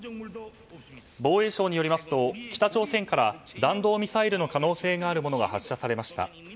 防衛省によりますと、北朝鮮から弾道ミサイルの可能性があるものが発射されました。